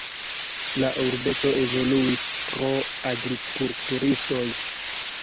La urbeto evoluis pro agrikulturistoj.